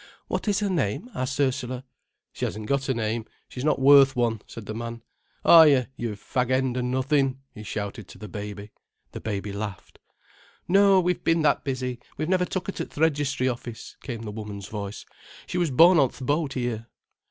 "What is her name?" asked Ursula. "She hasn't got a name, she's not worth one," said the man. "Are you, you fag end o' nothing?" he shouted to the baby. The baby laughed. "No we've been that busy, we've never took her to th' registry office," came the woman's voice. "She was born on th' boat here."